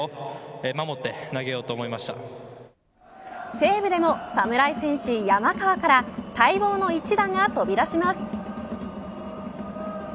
西武でも、侍戦士山川から待望の一打が飛び出します。